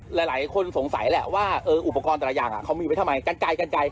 หลายคนสงสัยแหละว่าอุปกรณ์แต่ละอย่างเขามีไว้ทำไมกันไกลกันไกล